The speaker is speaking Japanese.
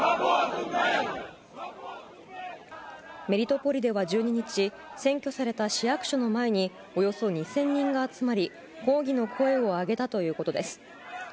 メリトポリでは１２日占拠された市役所の前におよそ２０００人が集まり抗議の声を上げたということです。